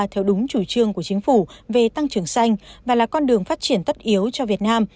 theo đúng chủ trương của chính phủ về tăng trưởng xanh và là con đường phát triển tất yếu cho việt nam